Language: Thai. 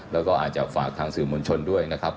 แล้วก็อาจจะฝากทางสื่อมวลชนด้วยนะครับ